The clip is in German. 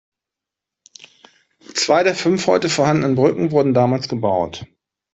Zwei der fünf heute vorhandenen Brücken wurden damals gebaut.